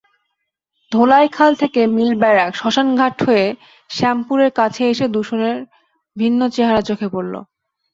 ধোলাইখাল থেকে মিলব্যারাক, শ্মশানঘাট হয়ে শ্যামপুরের কাছে এসে দূষণের ভিন্ন চেহারা চোখে পড়ল।